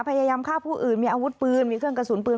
พยายามฆ่าผู้อื่นมีอาวุธปืนมีเครื่องกระสุนปืน